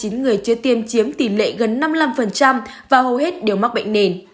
chín người chưa tiêm chiếm tỷ lệ gần năm mươi năm và hầu hết đều mắc bệnh nền